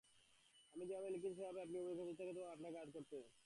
আমি যেভাবে লিখেছি সেভাবে আপনি অভিনয় করছেন ইচ্ছাকৃতভাবে আপনাকে আঘাত করতে।